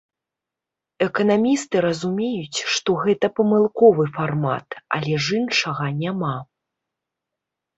Эканамісты разумеюць, што гэта памылковы фармат, але ж іншага няма.